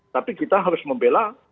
tapi kita harus membela